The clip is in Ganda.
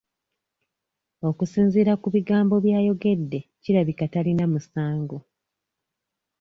Okusinziira ku bigambo by'ayogedde kirabika talina musango.